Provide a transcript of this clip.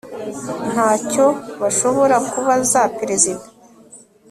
nta cyo bashobora kubaza perezida